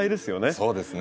そうですね。